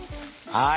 はい。